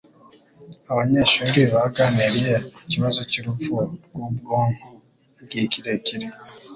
Abanyeshuri baganiriye ku kibazo cyurupfu rwubwonko igihe kirekire.